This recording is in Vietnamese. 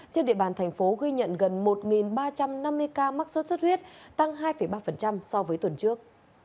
trên địa bàn thành phố ghi nhận gần một ba trăm năm mươi ca mắc sốt xuất huyết tăng hai ba so với tuần trước